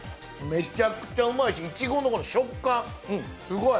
めちゃくちゃうまいしいちごの食感すごい！